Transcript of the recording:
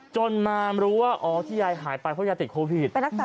จนมารู้ว่าอ๋อที่ยายหายไปเพราะยายติดโควิด